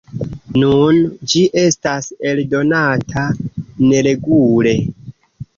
Nun ĝi estas eldonata neregule.